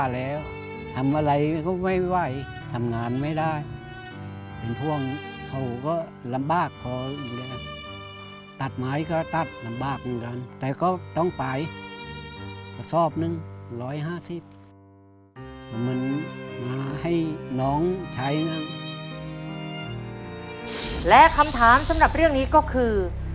และคำถามสำหรับเรื่องนี้ก็คือ